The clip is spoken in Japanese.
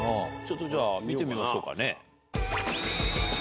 じゃあ見てみましょうかね。